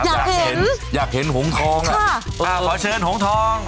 อยากเห็นอยากเห็นหงทองขอเชิญหงทอง